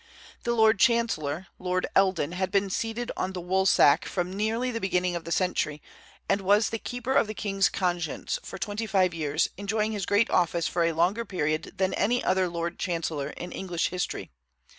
The lord chancellor, Lord Eldon, had been seated on the woolsack from nearly the beginning of the century, and was the "keeper of the king's conscience" for twenty five years, enjoying his great office for a longer period than any other lord chancellor in English history.